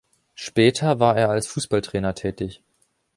Später war er als Fußballtrainer tätig.